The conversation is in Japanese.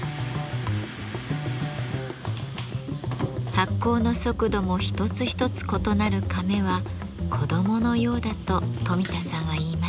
発酵の速度も一つ一つ異なるカメは子どものようだと富田さんはいいます。